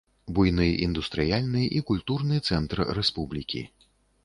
Буйны індустрыяльны і культурны цэнтр рэспублікі.